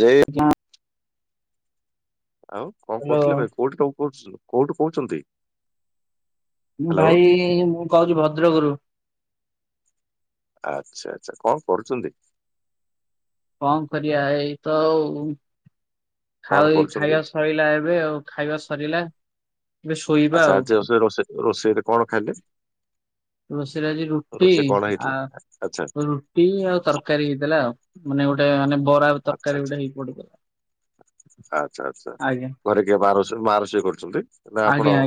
ଜୟ। ଆଉ କଣ ହ୍ୟାଲୋ କରୁଥିଲେ ଭାଇ କୋଉଠି ତମେ ପଢୁଚୁ କୋଉଠୁ କହୁଛନ୍ତି। ମୁଁ ହ୍ୟାଲୋ ଭାଇ ମୁଁ କହୁଛି ଭଦ୍ରକ ରୁ। ଆଚ୍ଛା ଆଚ୍ଛା କଣ କରୁଛନ୍ତି। କଣ କରିବା ଏଇ ତ ଆଉ କଣ ଖାଇ କରୁଛନ୍ତି ଖାଇବା ସ। ସଇଲା ଏବେ ଆଉ ଖାଇବା ସରିଲା! ଏବେ ଶୋଇବା ଆଚ୍ଛା ଆଉ। ଆଜି ରୋଷେଇରେ କଣ ଖାଇଲେ! ରୋଷେଇ ରେ ଆଜି ରୁଟି ରୋଷେଇ କଣ ହେଇଥିଲା ଆଚ୍ଛା ଆଉ ରୁ! ଟି ଆଉ ତରକାରୀ ହେଇଥିଲା ଆଉ, ମାନେ ଗୋଟେ ମାନେ ବରା ତରକାରୀ ଗୋଟେ ହେଇ ପଡି ଆଚ୍ଛା-ଆଚ୍ଛା। ଘରେ କିଏ ମା ରୋଷେଇ ମା ରୋଷେଇ କରୁଚନ୍ତି ନା ଆପଣ?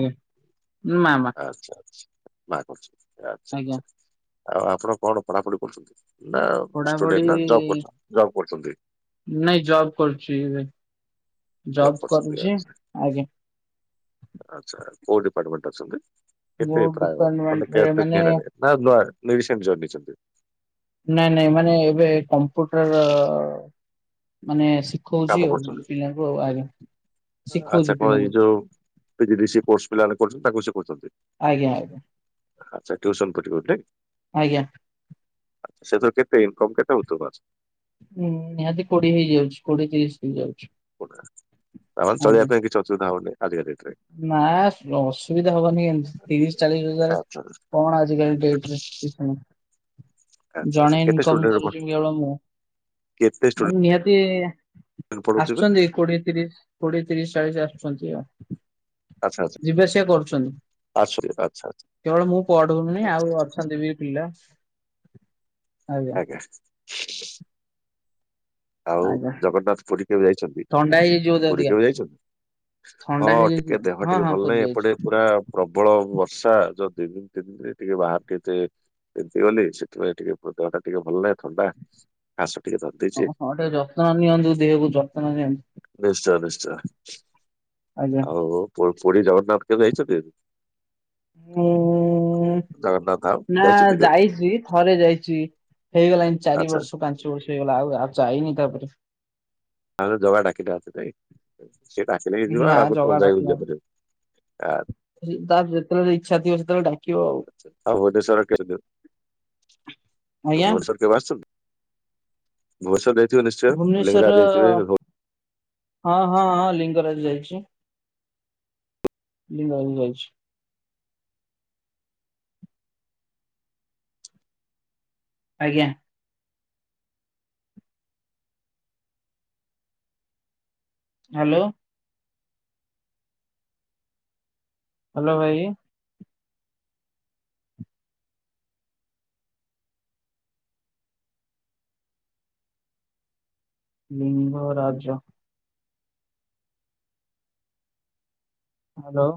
ମାମା। ଆଚ୍ଛା ମା କରୁଚନ୍ତି ଆଜ୍ଞା ଆଚ୍ଛା-ଆଚ୍ଛା, ଆଉ ଆପଣ କଣ ପଢାପଢି କରୁଛନ୍ତି? ନା ପଢାପଢି ଷ୍ଟୁଡେଣ୍ଟ ନା ଜବ୍ କରୁଚନ୍ତି ଜବ୍ କରୁଚନ୍ତି? ନାଇଁ ଜବ୍ କରୁଚି ଜବ୍ କରୁଛନ୍ତି କରୁଚି ଆଚ୍ଛା ଆଜ୍ଞା। ଆଚ୍ଛା, କୋଉ ଡିପାର୍ଟମେଣ୍ଟରେ ଅଛନ୍ତି? ମୁଁ କେତେ ପ୍ରାୟ ମାନେ ମାନେ ଡିପାର୍ଟମେଣ୍ଟରେ କେତେ ଦିନ୍ ହେଲାଣି, ନା ନୂଆ ରିସେଣ୍ଟ ଜଏନ୍ ହେଇଚନ୍ତି? ନାଇଁ-ନାଇଁ ମାନେ ଏବେ କମ୍ପ୍ୟୁଟର ମାନେ ଶି କାମ ଖୋଉଚି ଆଉ କରୁଛନ୍ତି ପିଲାଙ୍କୁ ଆଉ ଆଜ୍ଞା ଶିଖୋଉଚି ପିଲାଙ୍କୁ। ପିଜିଡ଼ିସିଏ କୋର୍ସ ପିଲାମାନେ କରୁଚନ୍ତି, ତାଙ୍କୁ ସେ କରୁଚନ୍ତି। ଆଜ୍ଞା ଆଜ୍ଞା। ଆଚ୍ଛା, ଟିଉସନ୍ [unintelligible] ନାଇଁ କି? ଆଜ୍ଞା ଆ ସେଥିରେ କେତେ ଇନକମ୍ କେତେ ହଉଥିବ [unintelligible] ହୁଁ ନିହାତି କୋଡିଏ ହେଇଯାଉଛି କୋଡିଏ ତିରିଶ ହେଇଯାଉଛି। ତାମାନେ ଆଜ୍ଞା। ଚଳିବା ପାଇଁ କିଛି ଅସୁବିଧା ହଉନି ଆଜିକା ଡେଟ୍ ରେ। ନା ଅସୁବିଧା ହବନି କିମିତି, ତିରିଶ୍ ଚାଳିଶ୍ ହଜାର୍ ଆଚ୍ଛା କଣ ଆଜିକାଲି ଡେଟ୍ ରେ। ଆଚ୍ଛା ଆଚ୍ଛା ଜଣେ କେତେ ଇନକମ୍ ଷ୍ଟୁଡେଣ୍ଟ ପଢୁ କରୁଚି କେବଳ ମୁଁ। କେତେ ଆଉ ଷ୍ଟୁଡେଣ୍ଟ ନିହାତି ପଢୁଥିବେ ଆସୁଚିନ୍ତି କୋଡିଏ ତିରିଶ୍ କୋଡିଏ, ତିରିଶ୍, ଚାଳିଶ୍ ଆସୁଚନ୍ତି ଆଉ। ଆଚ୍ଛା-ଆଚ୍ଛା। ଯିବା ଆସିବା କରୁଛନ୍ତି। ଆଚ୍ଛା କେବଳ ମୁଁ [unintelligible] ଆଚ୍ଛା ଆଉ ଆଚ୍ଛା। ଅଛନ୍ତି ବି ପିଲା। ଆଜ୍ଞା [inaudible] ଆଉ ଆଜ୍ଞା ଜଗନ୍ନାଥ ପୁରୀ କେବେ ଯାଇଚନ୍ତି, ଥଣ୍ଡା ହେଇଯାଇଛି ବୋଧେ ପୁରୀ ଅଧିକା କେବେ ଯାଇଚନ୍ତି? ହଁ ଥଣ୍ଡା ହେଇଯାଇଛି ଟିକେ ଦେହ ହଁ ଟିକେ ହଁ ଭଲ ପୁରୀ ନାହିଁ, ଯାଇଛି। ଏପଟେ ପୁରା ପ୍ରବଳ ବର୍ଷା ଯୋଉ ଦି ଦିନ ତିନି ଦିନ ଟିକେ ବାହରେ ଟିକେ ତିନ୍ତିଗଲି ସେଥିପାଇଁ ଟିକେ ମୋ ଦେହଟା ଟିକେ ଭଲ ନାହିଁ ଥଣ୍ଡା। କାସ ଟିକେ ଧରିଦେ ଓ ହଁ ଟିକେ ଯତ୍ନ ନିଅନ୍ତୁ ଦେହକୁ ଯତ୍ନ ନିଅନ୍ତୁ। ନିଶ୍ଚୟ-ନିଶ୍ଚୟ, ଆଜ୍ଞା। ଆଉ ପୁରୀ ଜଗନ୍ନାଥ କେବେ ଯାଇଚନ୍ତି? [unintelligible] ଜଗନ୍ନାଥ ଧାମ ନା ଯାଇଛନ୍ତି କେବେ? ଯାଇଚି ଥରେ ଯାଇଚି ହେଇଗଲାଇଁ ଚାରି ଆଚ୍ଛା ବର୍ଷ ପାଞ୍ଚ ବର୍ଷ ହେଇଗଲା, ଆଉ-ଆଉ ଯାଇନି ତାପରେ। ଆରେ ଜଗା ଡ଼ାକି ନାହାନ୍ତି ନାଇଁ। ସିଏ ଡାକିଲେ ହିଁ ନା ଯିବା, ଆମେ ଜଗା କଣ ଡାକିଲାଣି। [inaudible] ତାର ଯେତେବେଳେ ଇଚ୍ଛା ଥିବ ସେତେବେଳେ ଡା ଆଉ ଭୁବେନେଶ୍ୱର କେବେ ଯିବୁ, ଆଜ୍ଞା ଭୁବେନେଶ୍ୱର କେବେ ଆସିଚନ୍ତି, ଭୁବନେଶ୍ୱର ଯାଇ ଥିବେ ନିଶ୍ଚୟ ଲିଂଙ୍ଗରାଜ ଯାଇଥିବେ? ହଁ-ହଁ-ହଁ ଲିଙ୍ଗରାଜ ଯାଇଚି। ଲିଙ୍ଗରାଜ ଯାଇଚି। ଆଜ୍ଞା। ହାଲୋ। ହାଲୋ ଭାଇ। ଲିଙ୍ଗରାଜ। ହାଲୋ।